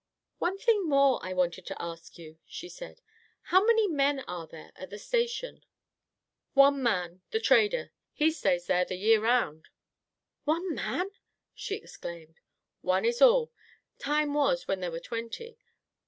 "One thing more I wanted to ask you," she said. "How many men are there at the Station?" "One man; the trader. He stays there the year 'round." "One man!" she exclaimed. "One is all. Time was when there were twenty.